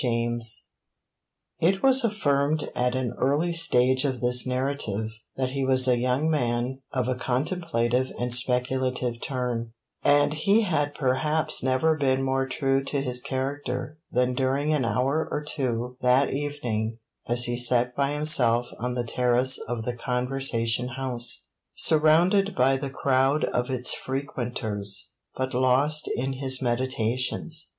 CHAPTER XII It was affirmed at an early stage of this narrative that he was a young man of a contemplative and speculative turn, and he had perhaps never been more true to his character than during an hour or two that evening as he sat by himself on the terrace of the Conversation house, surrounded by the crowd of its frequenters, but lost in his meditations.